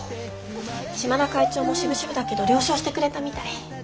島田会長もしぶしぶだけど了承してくれたみたい。